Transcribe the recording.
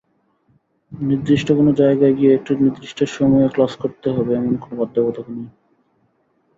নির্দিষ্ট কোনো জায়গায় গিয়ে নির্দিষ্ট সময়ে ক্লাস করতে হবে—এমন কোনো বাধ্যবাধকতাও নেই।